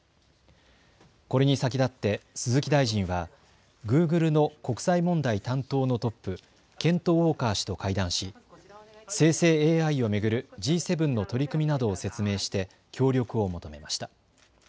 これに先立って鈴木大臣はグーグルの国際問題担当のトップ、ケント・ウォーカー氏と会談し生成ＡＩを巡るＧ７の取り組みなどを説明して協力を求めました。